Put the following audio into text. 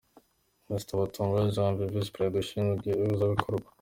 Mr. Batungwanayo Janvier, Visi-Perezida ushinzwe ihuzabikorwa;